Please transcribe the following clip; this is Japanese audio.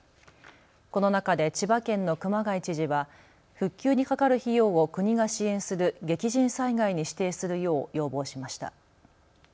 この中で千葉県の熊谷知事は復旧にかかる費用を国が支援する激甚災害に指定するよう要望しました。